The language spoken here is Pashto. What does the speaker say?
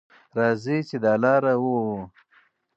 راځئ چې دا لاره ووهو.